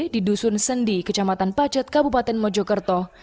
di dusun sendi kecamatan pacet kabupaten mojokerto